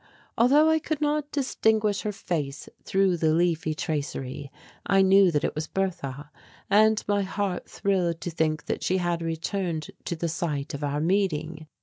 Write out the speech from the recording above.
Although I could not distinguish her face through the leafy tracery I knew that it was Bertha, and my heart thrilled to think that she had returned to the site of our meeting.